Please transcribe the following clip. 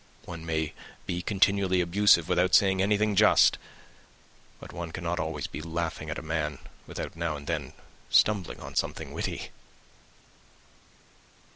One may be continually abusive without saying anything just; but one cannot be always laughing at a man without now and then stumbling on something witty."